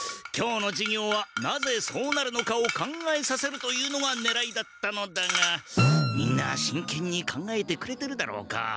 今日の授業はなぜそうなるのかを考えさせるというのがねらいだったのだがみんなしんけんに考えてくれてるだろうか？